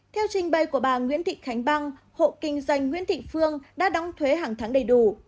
theo trình bày của bà nguyễn thị khánh băng hộ kinh doanh nguyễn thị phương đã đóng thuế hàng tháng đầy đủ